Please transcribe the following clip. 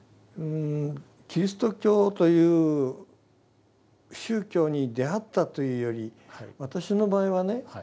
キリスト教という宗教に出会ったというより私の場合はね